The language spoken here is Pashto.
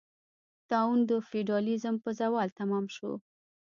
طاعون د فیوډالېزم په زوال تمام شو.